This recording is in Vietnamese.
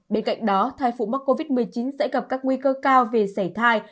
bên cạnh đó thai phụ mắc covid một mươi chín sẽ gặp các nguy cơ cao về xảy thai